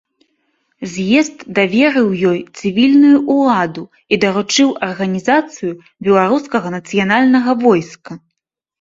З'езд даверыў ёй цывільную ўладу і даручыў арганізацыю беларускага нацыянальнага войска.